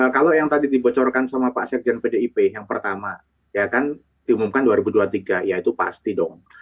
kalau yang tadi dibocorkan sama pak sekjen pdip yang pertama ya kan diumumkan dua ribu dua puluh tiga ya itu pasti dong